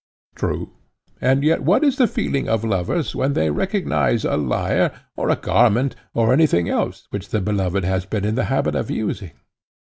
True. And yet what is the feeling of lovers when they recognize a lyre, or a garment, or anything else which the beloved has been in the habit of using?